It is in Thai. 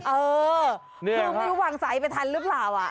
เออทรงไม่ตัววางใสไปทันหรือเปล่า